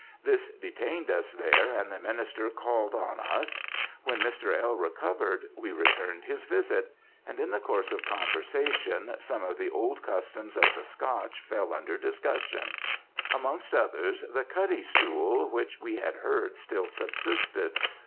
This detained us there, and the minister called on us. When Mr. L. recovered, we returned his visit; and, in the course of conversation, some of the old customs of the Scotch fell under discussion; amongst others the cutty stool, which we had heard still subsisted.